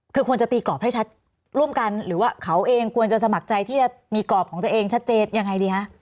คือควรจะตีกรอบให้ชัดร่วมกันหรือว่าเขาเองควรจะสมัครใจที่จะมีกรอบของตัวเองชัดเจนยังไงดีคะ